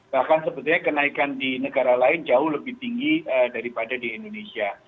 bahkan sebetulnya kenaikan di negara lain jauh lebih tinggi daripada di indonesia